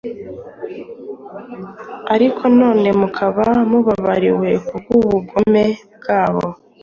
ariko none mukaba mubabariwe kubw’ubugome bwabo;